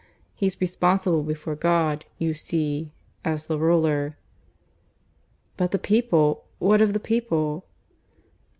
He's responsible before God, you see, as the ruler " "But the people. What of the people?"